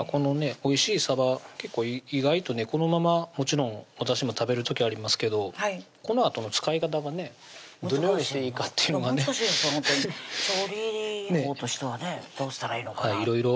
おいしいさば意外とねこのままもちろん私も食べる時ありますけどこのあとの使い方がねどのようにしていいかというのが調理法としてはねどうしたらいいのかな